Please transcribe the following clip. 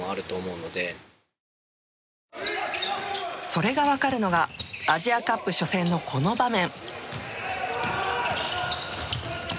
それが分かるのがアジアカップ初戦のこの場面。